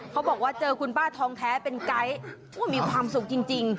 เขาบอกว่าเจอคุณป้าทองแท้เป็นไกด์มีความสุขจริง